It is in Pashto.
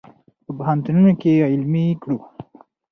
په پوهنتونونو کې یې علمي کړو.